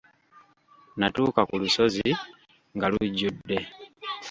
Natuuka ku lusozi nga lujjudde.